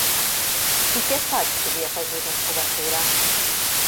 I què faig si vull afegir més cobertura?